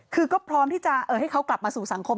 คือก็พร้อมที่จะให้เขากลับมาสู่สังคม